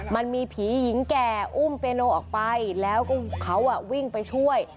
มันมีผีหญิงแก่อุ้มเปียโนออกไปแล้วก็เขาวิ่งไปช่วย